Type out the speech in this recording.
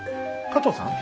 加藤さん？